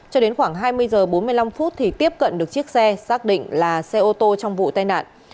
cho đến khoảng hai mươi h bốn mươi năm phút thì tiếp cận được chiếc xe xác định là xe ô tô trong vụ tai nạn